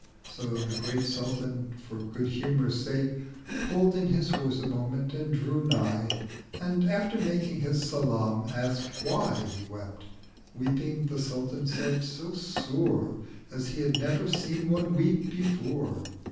So the Great Sultan, for good humour's sake Pull'd in his Horse a moment, and drew nigh, And after making his Salam, ask'd why 160 He wept—weeping, the Sultan said, so sore As he had never seen one weep before.